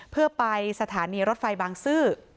เพื่อไปสถานีรถไฟบางซื่อ